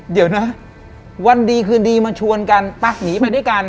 เดี๋ยวนะวันดีคืนดีมาชวนกันตั๊กหนีไปด้วยกัน